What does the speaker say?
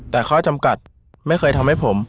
แต่ข้อจำกัดไม่เคยทำให้ผม